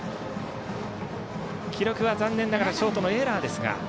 記録は残念ながらショートのエラーです。